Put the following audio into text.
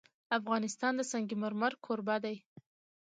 افغانستان د سنگ مرمر کوربه دی.